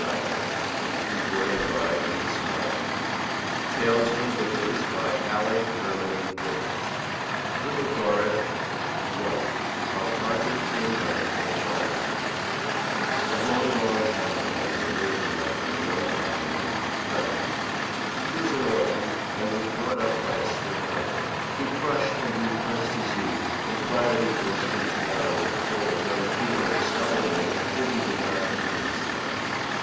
Arthur's friend Mrs. Meagles His wife "Pet" Their daughter "Tattycoram" Pet's maid LITTLE DORRIT I HOW ARTHUR CAME HOME FROM CHINA A long, long time ago there lived in London a young man named Clennam. He was an orphan, and was brought up by a stern uncle, who crushed and repressed his youth and finally forced him to marry a cold, unfeeling, stubborn woman whom he did not in the least love.